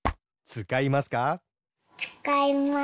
つかいます。